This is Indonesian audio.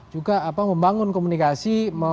juga membangun komunikasi